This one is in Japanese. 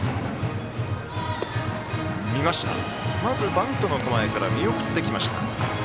バントの構えから見送ってきました。